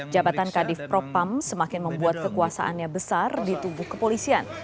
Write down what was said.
jabatan kadif propam semakin membuat kekuasaannya besar di tubuh kepolisian